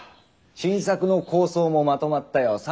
新作の構想もまとまったよ。